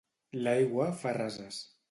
L'aigua fa rases.